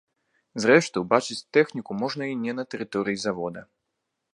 Зрэшты, убачыць тэхніку можна і не на тэрыторыі завода.